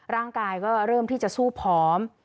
ร่างกายก็เริ่มที่จะสู้ผอม